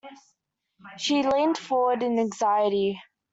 She leaned forward in anxiety.